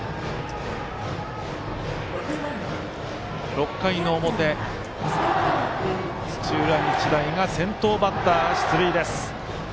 ６回の表、土浦日大が先頭バッター、出塁。